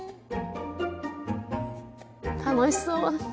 楽しそう。